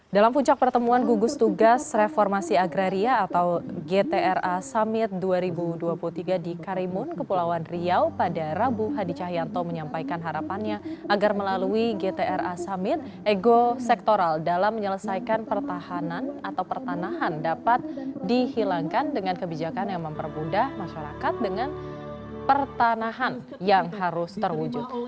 dalam puncak pertemuan gugus tugas reformasi agraria atau gtra summit dua ribu dua puluh tiga di karimun kepulauan riau pada rabu hadi cahyanto menyampaikan harapannya agar melalui gtra summit ego sektoral dalam menyelesaikan pertahanan atau pertanahan dapat dihilangkan dengan kebijakan yang mempermudah masyarakat dengan pertanahan yang harus terwujud